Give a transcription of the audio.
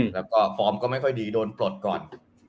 แล้วก็ฟอร์มก็ไม่ค่อยดีโดนปลดก่อน